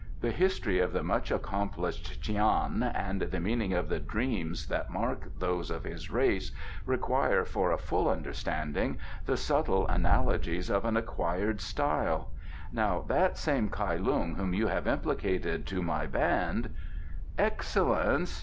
The history of the much accomplished Tian and the meaning of the dreams that mark those of his race require for a full understanding the subtle analogies of an acquired style. Now that same Kai Lung whom you have implicated to my band " "Excellence!"